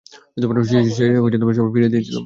সে সবই ফিরিয়ে দিয়েছিল।